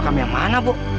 makam yang mana bu